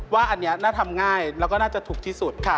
ว่าอันนี้น่าทำง่ายแล้วก็น่าจะถูกที่สุดค่ะ